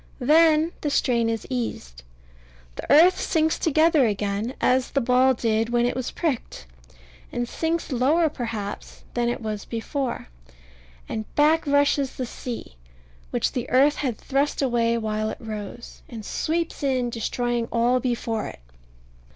Then the strain is eased. The earth sinks together again, as the ball did when it was pricked; and sinks lower, perhaps, than it was before: and back rushes the sea, which the earth had thrust away while it rose, and sweeps in, destroying all before it.